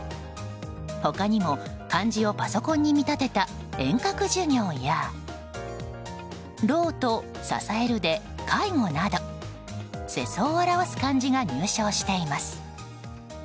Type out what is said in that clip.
他にも漢字をパソコンに見立てた「遠隔授業」や「老」と「支える」で「かいご」など世相を表す漢字が入賞しています。